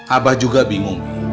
abah juga bingung umi